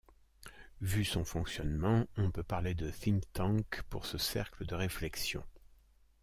Vu son fonctionnement, on peut parler de think tank pour ce cercle de réflexion.